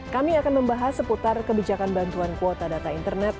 kami akan membahas seputar kebijakan bantuan kuota data internet